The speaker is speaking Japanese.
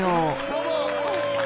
どうも。